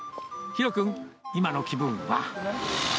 紘君、今の気分は？